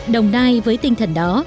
đồng nai với tinh thần đó